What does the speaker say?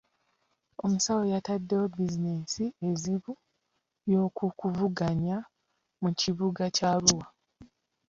Omusawo yataddewo bizinensi enzibu y'okuvuganya mu kibuga kya Arua.